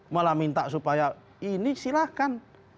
malah minta supaya ini silahkan